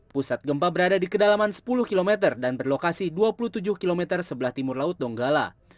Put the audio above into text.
pusat gempa berada di kedalaman sepuluh km dan berlokasi dua puluh tujuh km sebelah timur laut donggala